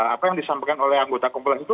apa yang disampaikan oleh anggota kumpulan itu